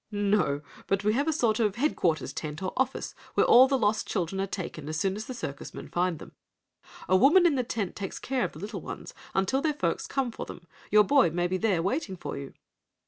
"No, but we have a sort of headquarters tent, or office, where all lost children are taken as soon as the circus men find them. A woman in the tent takes care of the little ones until their folks come for them. Your boy may be there waiting for you."